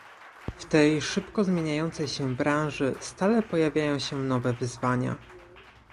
W tej szybko zmieniającej się branży stale pojawiają się nowe wyzwania